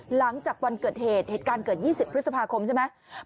หลังจากวันเกิดเหตุเหตุการณ์เกิด๒๐พฤษภาคมใช่ไหม